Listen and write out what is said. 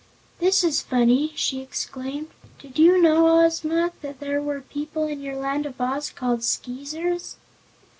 "This is funny!" she exclaimed. "Did you know, Ozma, that there were people in your Land of Oz called Skeezers?"